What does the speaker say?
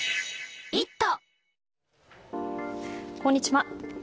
こんにちは。